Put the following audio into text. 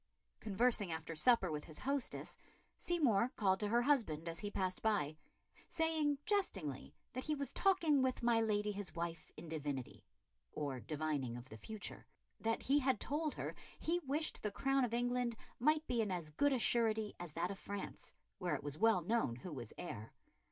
Conversing after supper with his hostess, Seymour called to her husband as he passed by, saying jestingly that he was talking with my lady his wife in divinity or divining of the future; that he had told her he wished the crown of England might be in as good a surety as that of France, where it was well known who was heir.